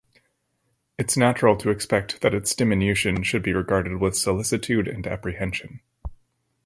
It’s natural to expect that its diminution should be regarded with solicitude and apprehension.